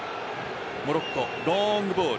モロッコ、ロングボール。